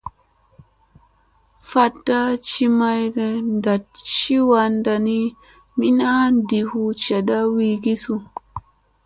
Faɗta ci mayɗi naɗ ci wanɗa ni, min a ɗi hu caaɗ u wi ki su ?